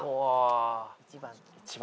１番。